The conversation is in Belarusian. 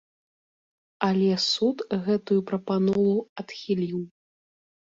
Але суд гэтую прапанову адхіліў.